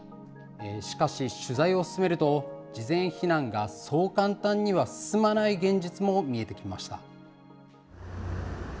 しかし取材を進めると事前避難がそう簡単には進まない現実も見えてきました。